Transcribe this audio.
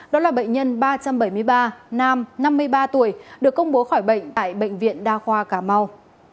đó là bệnh nhân ba trăm bảy mươi ba nam năm mươi ba tuổi được công bố khỏi bệnh tại bệnh viện đa khoa cà mau